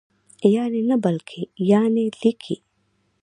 یعني نه بلکې یانې لیکئ!